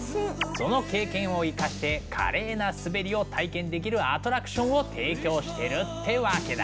その経験を生かして華麗な滑りを体験できるアトラクションを提供してるってわけだ。